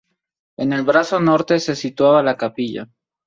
En el brazo norte se situaba la capilla.